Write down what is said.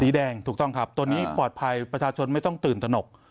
แดงถูกต้องครับตัวนี้ปลอดภัยประชาชนไม่ต้องตื่นตนก